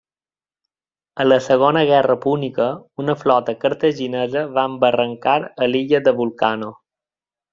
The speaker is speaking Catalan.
A la Segona Guerra Púnica una flota cartaginesa va embarrancar a l'illa de Vulcano.